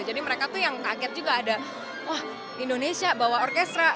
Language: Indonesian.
jadi mereka tuh yang kaget juga ada wah indonesia bawa orkestra